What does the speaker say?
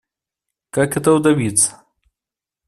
Как этого добиться?